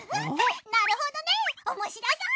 なるほどねおもしろそう！